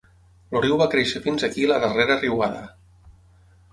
El riu va créixer fins aquí la darrera riuada.